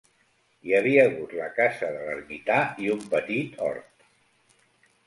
Hi havia hagut la casa de l'ermità i un petit hort.